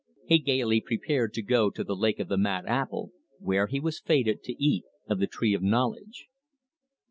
He gaily prepared to go to the Lake of the Mad Apple, where he was fated to eat of the tree of knowledge.